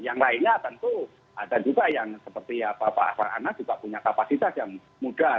yang lainnya tentu ada juga yang seperti pak hafar anas juga punya kapasitas yang mudah